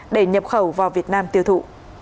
để nhập khẩu vào việt nam tiêu thụ